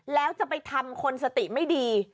แล้วจะไปทำคนสติไม่ดี